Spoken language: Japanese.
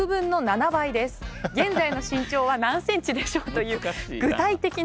現在の身長は何ｃｍでしょう」という具体的な。